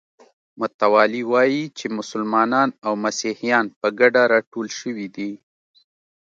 متوالي وایي چې مسلمانان او مسیحیان په ګډه راټول شوي دي.